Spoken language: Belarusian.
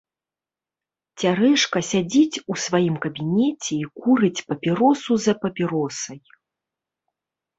Цярэшка сядзіць у сваім кабінеце і курыць папяросу за папяросай.